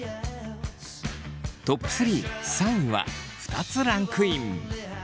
トップ３３位は２つランクイン。